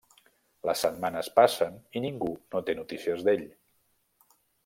Les setmanes passen i ningú no té notícies d'ell.